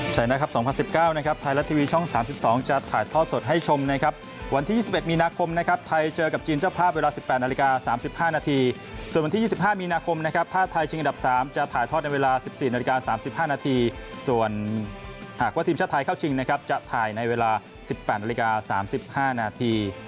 ส่วนหากว่าทีมชาติไทยเข้าชิงนะครับจะถ่ายในเวลา๑๘นาฬิกา๓๕นาที